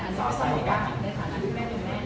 ก็ต้องมาต่อความยาวสาวความยืด